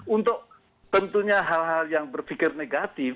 untuk tentunya hal hal yang berpikir negatif